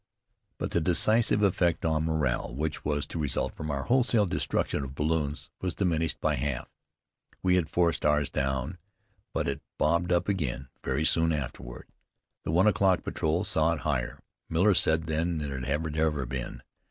But the decisive effect on morale which was to result from our wholesale destruction of balloons was diminished by half. We had forced ours down, but it bobbed up again very soon afterward. The one o'clock patrol saw it, higher, Miller said, than it had ever been.